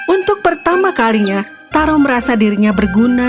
untuk pertama kalinya taro merasa dirinya berguna